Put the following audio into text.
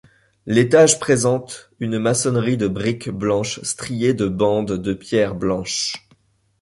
L'étage présente une maçonnerie de briques blanches striée de bandes de pierre blanche.